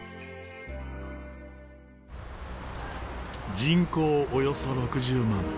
人口およそ６０万。